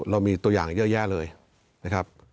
เรามีตัวอย่างเยอะแยะเลยนะครับ